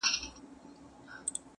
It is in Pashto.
خو اصلي درد نه ختمېږي تل,